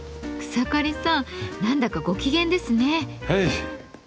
草刈さん何だかご機嫌ですね。